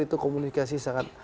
itu komunikasi sangat